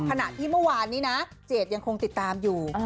ขณะที่เมื่อวานนี้นะเจดยังคงติดตามอยู่